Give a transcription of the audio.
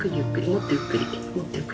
もっとゆっくり。